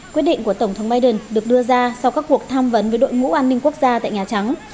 quyết định của tổng thống biden được đưa ra sau các cuộc tham vấn với đội ngũ an ninh quốc gia tại nhà trắng